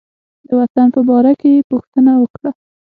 د وطن په باره کې یې پوښتنه وکړه.